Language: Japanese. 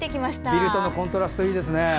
ビルとのコントラストいいですね。